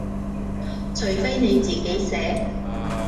除非你自己寫